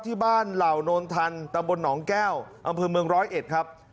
ที่บ้านเหล่านนทรรตำบลหนองแก้วอำพื้นเมืองร้อยเอ็ดครับ